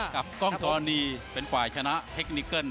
กับกล้องธรณีเป็นฝ่ายชนะเทคนิเกิ้ล